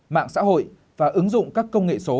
mạng xã hội và ứng dụng các công nghệ số